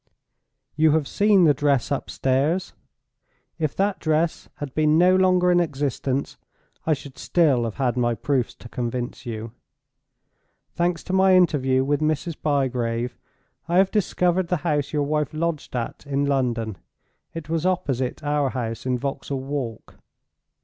You have seen the dress upstairs. If that dress had been no longer in existence, I should still have had my proofs to convince you. Thanks to my interview with Mrs. Bygrave I have discovered the house your wife lodged at in London; it was opposite our house in Vauxhall Walk.